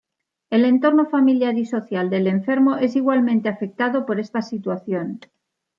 El entorno familiar y social del enfermo es igualmente afectado por esta situación.